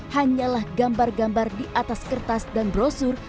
hanyalah gambar gambar di atas kertas dan brosur